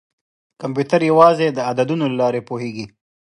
کمپیوټر یوازې د عددونو له لارې پوهېږي.